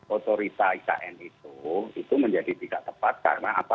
otorita ikn itu itu menjadi tidak tepat karena apa